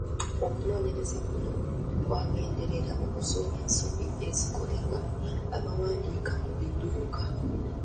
Okunoonyereza kuno kwagenderera kuzuula nsobi ezikolebwa abawandiika ku bidduka.